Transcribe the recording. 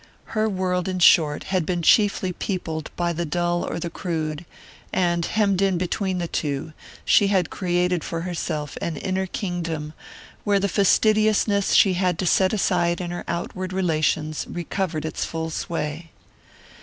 Her world, in short, had been chiefly peopled by the dull or the crude, and, hemmed in between the two, she had created for herself an inner kingdom where the fastidiousness she had to set aside in her outward relations recovered its full sway.